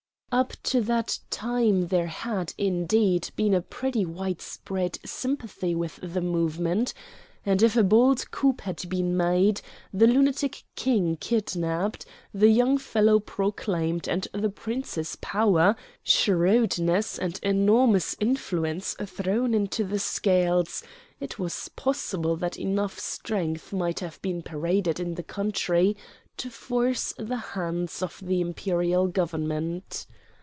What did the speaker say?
Up to that time there had, indeed, been a pretty widespread sympathy with the movement; and if a bold coup had been made, the lunatic King kidnapped, the young fellow proclaimed, and the Prince's power, shrewdness, and enormous influence thrown into the scales, it was possible that enough strength might have been paraded in the country to force the hands of the Imperial Government.